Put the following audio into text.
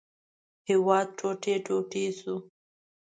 هېواد ټوټې ټوټې شو.